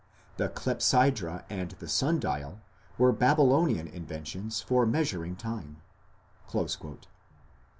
The clepsydra and the sundial were Babylonian inventions for measuring time."